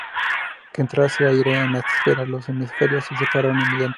Cuando dejó que entrase aire en la esfera, los hemisferios se separaron inmediatamente.